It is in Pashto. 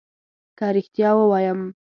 که ريښتيا ووايم